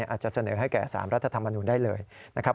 อาจจะเสนอให้แก่๓รัฐธรรมนุนได้เลยนะครับ